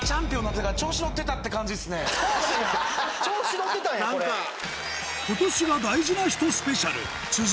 調子乗ってたんやこれ。